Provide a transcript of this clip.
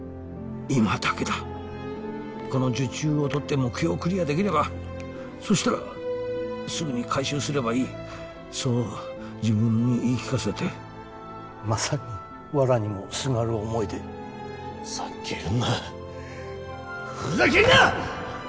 今だけだこの受注を取って目標をクリアできればそしたらすぐに改修すればいいそう自分に言い聞かせてまさにわらにもすがる思いでふざけるなふざけるな！